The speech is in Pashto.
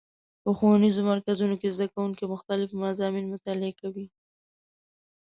په ښوونیزو مرکزونو کې زدهکوونکي مختلف مضامین مطالعه کوي.